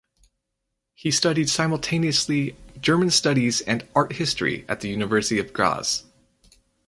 He studied simultaneously German studies and art history at the University of Graz.